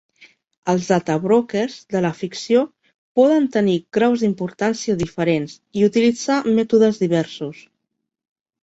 Els "data brokers" de la ficció poden tenir graus d'importància diferents i utilitzar mètodes diversos.